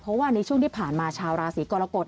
เพราะว่าในช่วงที่ผ่านมาชาวราศีกรกฎ